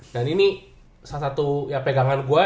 dan ini salah satu ya pegangan coach cacing